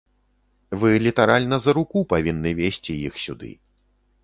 Вы літаральна за руку павінны весці іх сюды.